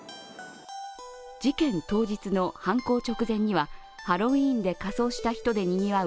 事件当日の犯行直前にはハロウィーンで仮装した人でにぎわう